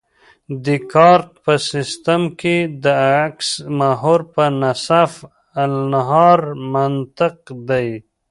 د دیکارت په سیستم کې د اکس محور په نصف النهار منطبق دی